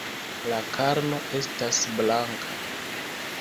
La karno estas blanka.